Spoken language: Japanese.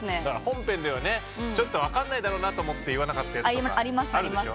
だから本編ではちょっと分かんないだろうなと思って言わなかったやつとか。あります。